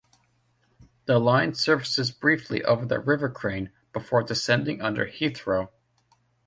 The line surfaces briefly over the River Crane before descending under Heathrow.